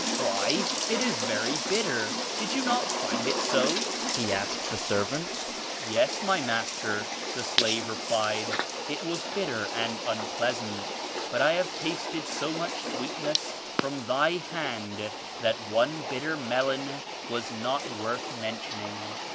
Why it is very bitter! Did you not find it so?' he asked the servant. *Yes my Master' the slave replied, 'it was bitter and unpleasant, but I have tasted so much sweetness from thy hand that one bitter melon was not worth mentioning.'